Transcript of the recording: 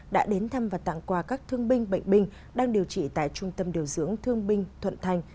đã đến thăm và tặng quà các thương binh bệnh binh đang điều trị tại trung tâm điều dưỡng thương binh thuận thành